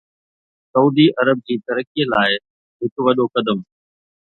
سعودي عرب جي ترقي لاء هڪ وڏو قدم